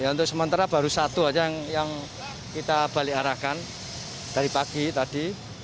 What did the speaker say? untuk sementara baru satu aja yang kita balik arahkan dari pagi tadi